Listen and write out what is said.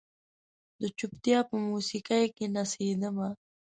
د چوپتیا په موسیقۍ کې نڅیدمه